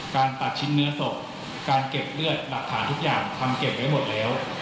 ตัดชิ้นเนื้อศพการเก็บเลือดหลักฐานทุกอย่างทำเก็บไว้หมดแล้ว